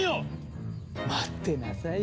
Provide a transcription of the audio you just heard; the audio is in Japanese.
待ってなさい